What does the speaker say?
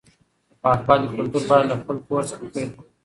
د پاکوالي کلتور باید له خپل کور څخه پیل کړو.